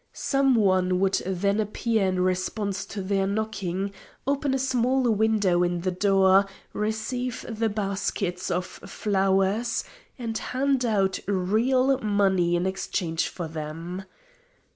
Some one would then appear in response to their knocking, open a small window in the door, receive the baskets of flowers, and hand out real money in exchange for them.